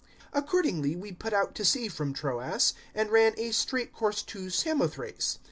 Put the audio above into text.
016:011 Accordingly we put out to sea from Troas, and ran a straight course to Samothrace.